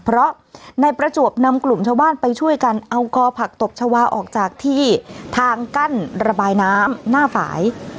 เพราะนายประจวบนำกลุ่มชาวบ้านไปช่วยกันเอากอผักตบชาวาออกจากที่ทางกั้นระบายน้ำหน้าฝ่าย